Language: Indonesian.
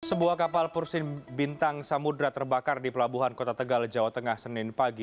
sebuah kapal pursin bintang samudera terbakar di pelabuhan kota tegal jawa tengah senin pagi